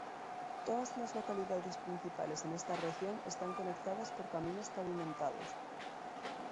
Todas las localidades principales en esta región están conectadas por caminos pavimentados.